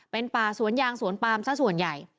เป็นป่าสวนยางสวนปามซะส่วนใหญ่